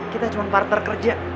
kita cuma partner kerja